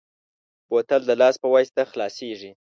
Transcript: بوتل د لاس په واسطه خلاصېږي.